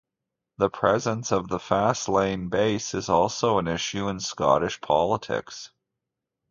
The presence of the Faslane base is also an issue in Scottish politics.